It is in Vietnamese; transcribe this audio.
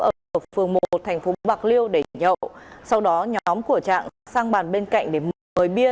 ở phường một thành phố bạc liêu để nhậu sau đó nhóm của trạng sang bàn bên cạnh để mời bia